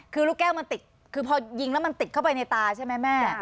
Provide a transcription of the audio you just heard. คือลูกแก้วมันติดคือพอยิงแล้วมันติดเข้าไปในตาใช่ไหมแม่